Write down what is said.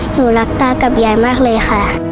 หนูรักตากับยายมากเลยค่ะ